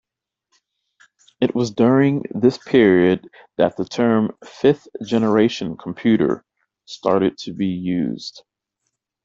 It was during this period that the term "fifth-generation computer" started to be used.